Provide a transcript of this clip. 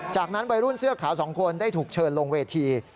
จากนั้นวัยรุ่นเสื้อขาวสองคนได้ถูกเชิญลงเวที